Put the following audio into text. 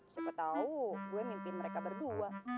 siapa tau gue mimpi mereka berdua